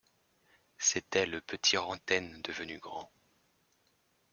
C’était le petit Rantaine devenu grand.